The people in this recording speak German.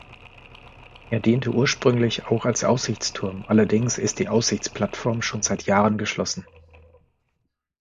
Er diente ursprünglich auch als Aussichtsturm, allerdings ist die Aussichtsplattform schon seit Jahren geschlossen.